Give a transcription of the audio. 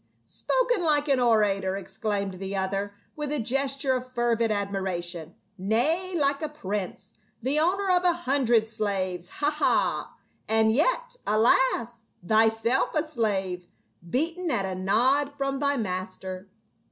" Spoken like an orator !" exclaimed the other, with a gesture of fervid admiration. " Nay, like a prince, the owner of a hundred slaves, ha, ha ! And yet, alas, thyself a slave, beaten at a nod from thy master."